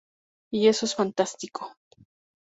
Y eso es fantástico".